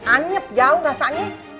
anyep jauh rasanya